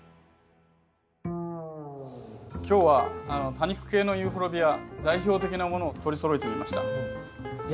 今日は多肉系のユーフォルビア代表的なものを取りそろえてみました。